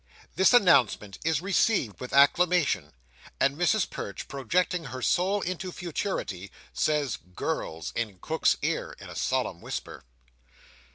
This announcement is received with acclamation; and Mrs Perch, projecting her soul into futurity, says, "girls," in Cook's ear, in a solemn whisper.